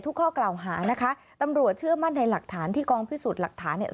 ข้อกล่าวหานะคะตำรวจเชื่อมั่นในหลักฐานที่กองพิสูจน์หลักฐานเนี่ย